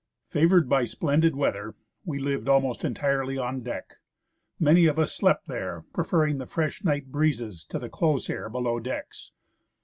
Favoured by splendid weather, we lived almost entirely on deck. Many of us slept there, pre ferringf the fresh nis^ht breezes to the close air below decks.